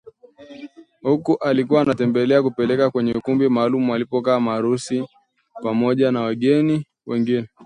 Huku akiwa anatembea kuelekea kwenye ukumbi maalum walipokaa maharusi pamoja na wageni wengine